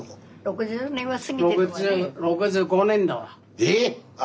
えっ？